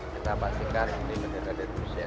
kita pastikan ini berdera rusia